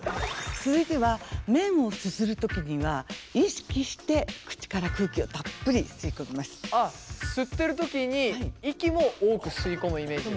続いては麺をすする時には意識してあっすってる時に息も多く吸い込むイメージですか？